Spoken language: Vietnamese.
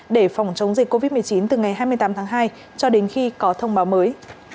để phòng chống dịch covid một mươi chín từ ngày hai mươi tám tháng hai cho đến khi có thông báo mới